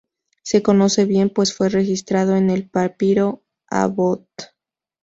Se conoce bien pues fue registrado en el "Papiro Abbott".